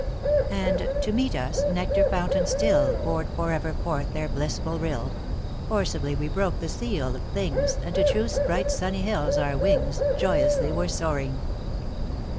* And, to meet us, nectar fountains still Poured forever forth their blissful rill; Forcibly we broke the seal of Things, And to Truth's bright sunny hills our wings Joyously were soaring.